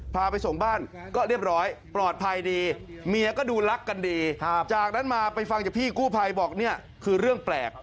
พาไปส่งบ้านก็เรียบร้อยปลอดภัยดีเมียก็ดูรักกันดีจากนั้นมาไปฟังจากพี่กู้ภัยบอกเนี่ยคือเรื่องแปลก